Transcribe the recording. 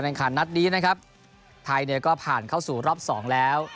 ขันนัดนี้นะครับไทยเนี่ยก็ผ่านเข้าสู่รอบสองแล้ว